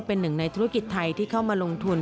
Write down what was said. เป็นหนึ่งในธุรกิจไทยที่เข้ามาลงทุน